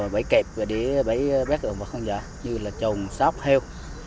bẫy kẹp bẫy bét động vật hoàng dã như là trồng sáp heo